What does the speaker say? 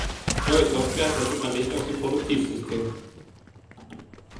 Neue Software testet man nicht auf dem Produktivsystem.